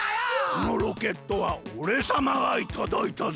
このロケットはおれさまがいただいたぜ！